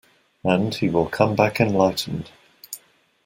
And he will come back enlightened.